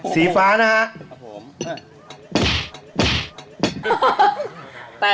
สีฟ้านะฮะ